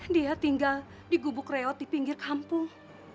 dia tinggal di gubuk reot di pinggir kampung